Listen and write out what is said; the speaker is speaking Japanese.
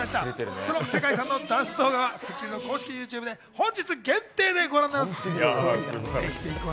その世界さんのダンス動画は『スッキリ』の公式ＹｏｕＴｕｂｅで本日限定でご覧になれます。